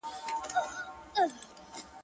یک تنها مو تر منزله رسېده دي -